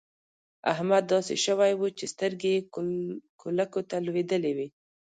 احمد داسې شوی وو چې سترګې يې کولکو ته لوېدلې وې.